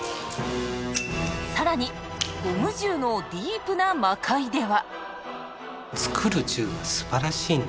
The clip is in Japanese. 更にゴム銃のディープな魔界では。